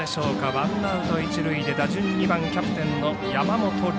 ワンアウト、一塁で打順２番キャプテンの山崎凌